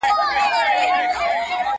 په کمال کي د خبرو یک تنها وو؛